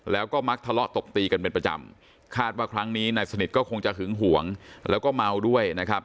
แล้วก็มักทะเลาะตบตีกันเป็นประจำคาดว่าครั้งนี้นายสนิทก็คงจะหึงหวงแล้วก็เมาด้วยนะครับ